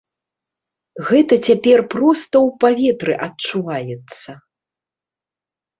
Гэта цяпер проста ў паветры адчуваецца.